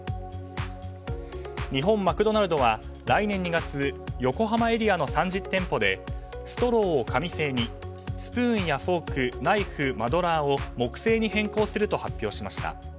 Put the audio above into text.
日本マクドナルドは来年２月横浜エリアの３０店舗でストローを紙製にスプーンやフォークナイフ、マドラーを木製に変更すると発表しました。